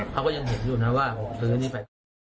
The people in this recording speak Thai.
เขาก็ยังเห็นอยู่นะว่าผมซื้อนี่ไป